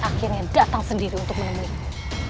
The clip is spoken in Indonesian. akhirnya datang sendiri untuk menemuinya